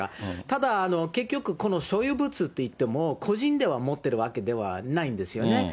ただ結局、この所有物といっても、個人では持ってるわけではないんですよね。